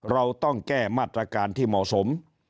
เราต้องแก้มาตรการที่เหมาะสม